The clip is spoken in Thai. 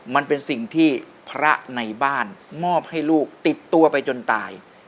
มันเป็นสิ่งที่พระในบ้านมอบให้ลูกติดตัวไปจนตาย